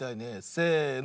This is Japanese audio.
せの。